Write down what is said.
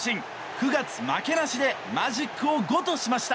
９月負けなしでマジックを５としました。